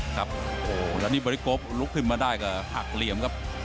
ครับโอ้โหแล้วนี่บริโกลุกขึ้นมาได้ก็หักเหลี่ยมครับ